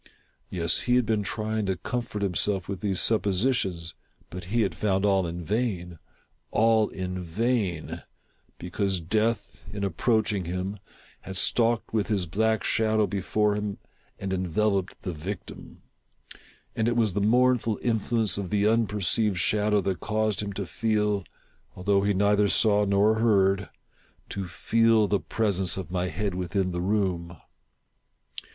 , Yes, he has been trying to comfort himself with these suppositions ; but he had found all in vain. All in vain ; because Deaths in approaching him, had stalked with his black shadow before him, and_enyelaped, lhe. victim,. And it was the mournful influence of the unperceived shadow that caused him to feel — although he neither saw nor heard — to feci the presence of my head within the room.